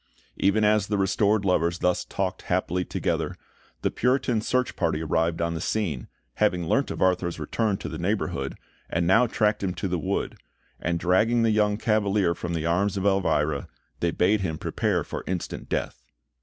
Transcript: Even as the restored lovers thus talked happily together, the Puritan search party arrived on the scene, having learnt of Arthur's return to the neighbourhood, and now tracked him to the wood; and dragging the young Cavalier from the arms of Elvira, they bade him prepare for instant death.